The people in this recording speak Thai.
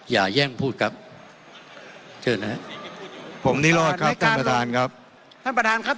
เยี่ยมครับ